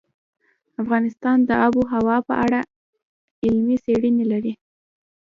افغانستان د آب وهوا په اړه علمي څېړنې لري.